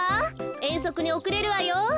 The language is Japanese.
えんそくにおくれるわよ。